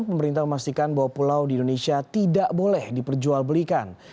pemerintah memastikan bahwa pulau di indonesia tidak boleh diperjualbelikan